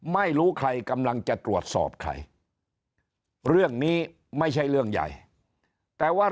ไม่รู้ใครกำลังจะตรวจสอบใครเรื่องนี้ไม่ใช่เรื่องใหญ่แต่ว่า